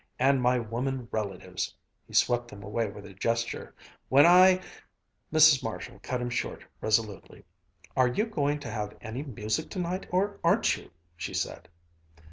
And my woman relatives " He swept them away with a gesture. "When I " Mrs. Marshall cut him short resolutely. "Are you going to have any music tonight, or aren't you?" she said.